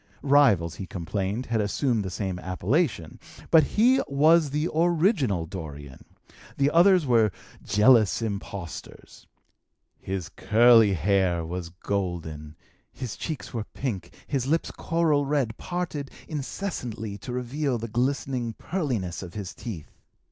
Rivals, he complained, had assumed the same appellation, but he was the original Dorian; the others were jealous impostors. His curly hair was golden; his cheeks were pink; his lips, coral red, parted incessantly to reveal the glistening pearliness of his teeth.